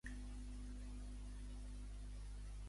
Amb quina altra deïtat s'associa Fides?